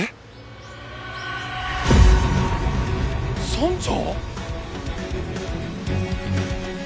村長！？